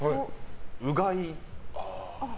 うがい。